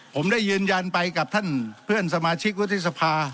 ผมได้ยืนยันไปกับท่านเพื่อนสมาชิกวุฒิสภา